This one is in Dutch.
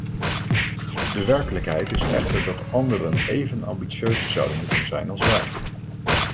De werkelijkheid is echter dat anderen even ambitieus zouden moeten zijn als wij.